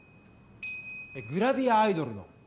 グラビアアイドルの。